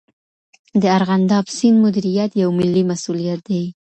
د ارغنداب سیند مدیریت یو ملي مسئولیت دی.